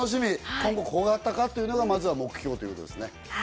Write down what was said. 今後小型化というのがまずは目標ということですね。